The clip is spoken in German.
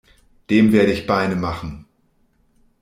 Dem werde ich Beine machen!